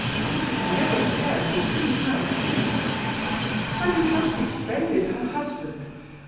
He has never cared to see her since." " But he has befriended her husband.